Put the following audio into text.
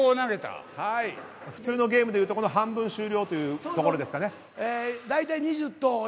普通のゲームでいうとこの半分終了というところですかね。